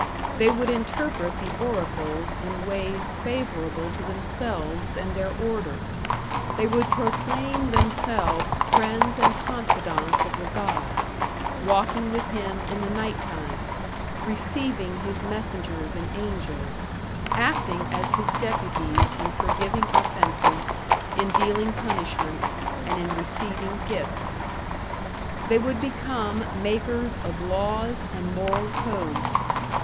They would interpret the oracles in ways favorable to themselves and their order; they would proclaim themselves friends and confidants of the god, walking with him in the night time, receiving his messengers and angels, acting as his deputies in forgiving offenses, in dealing punishments and in receiving gifts. They would become makers of laws and moral codes.